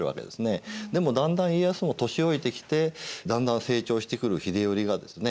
でもだんだん家康も年老いてきてだんだん成長してくる秀頼がですね